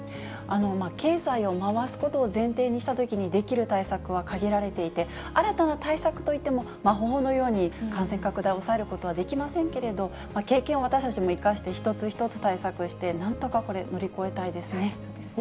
経済を回すことを前提にしたときにできる対策は限られていて、新たな対策といっても、魔法のように感染拡大を抑えることはできませんけれど、経験を私たちも生かして、一つ一つ対策して、なんとかこれ、乗り越えたいですね。